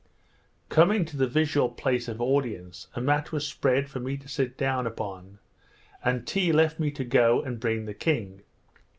Coming to the visual place of audience, a mat was spread for me to sit down upon, and Tee left me to go and bring the king.